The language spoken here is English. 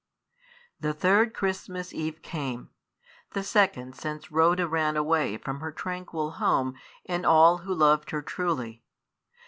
The third Christmas Eve came; the second since Rhoda ran away from her tranquil home and all who loved her truly.